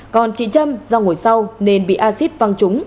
còn chị trâm do ngồi sau nên bị acid văng trúng